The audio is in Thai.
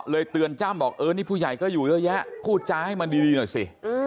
เตือนจ้ำบอกเออนี่ผู้ใหญ่ก็อยู่เยอะแยะพูดจาให้มันดีหน่อยสิ